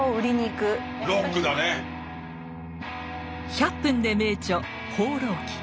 「１００分ｄｅ名著」「放浪記」。